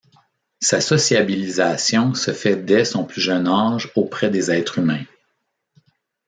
Sa sociabilisation se fait dès son plus jeune âge auprès des êtres humains.